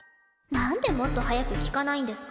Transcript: なんでもっと早く聞かないんですか？